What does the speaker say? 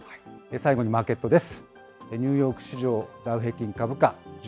最後にマーケットです。